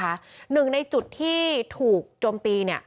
หนึ่งในจุดที่ถูกโจมตี